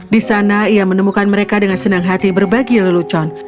di sana ia menemukan mereka dengan senang hati berbagi lelucon